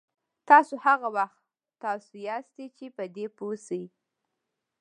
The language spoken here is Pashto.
تاسو هغه وخت تاسو یاستئ چې په دې پوه شئ.